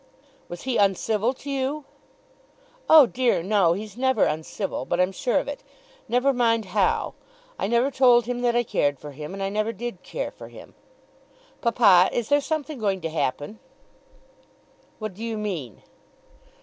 "Was he uncivil to you?" "O dear no. He's never uncivil. But I'm sure of it. Never mind how. I never told him that I cared for him and I never did care for him. Papa, is there something going to happen?" "What do you mean?"